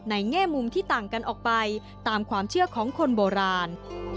แง่มุมที่ต่างกันออกไปตามความเชื่อของคนโบราณ